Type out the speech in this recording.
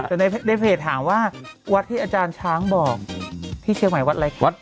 แต่ในเพจถามว่าวัดที่อาจารย์ช้างบอกที่เชียงใหม่วัดอะไรคะ